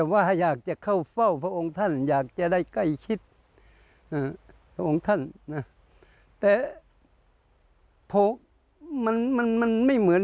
ก็นาทีการพบตลถูกูศีบัติภูมิ